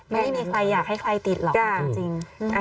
ไม่มีใครอยากให้ใครติดหรอกจริง